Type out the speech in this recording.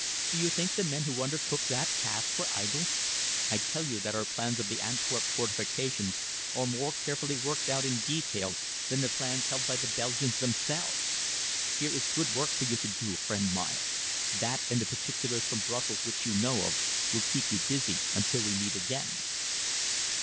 Do you think the men who undertook that task were idle? I tell you that our plans of the Antwerp fortifications are more carefully worked out in detail than the plans held by the Belgians themselves. Here is good work for you to do, friend Meyer. That and the particulars from Brussels which you know of, will keep you busy until we meet again."